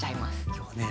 今日はね